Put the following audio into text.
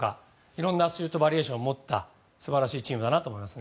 いろんなシュートバリエーションを持った素晴らしいチームだと思います。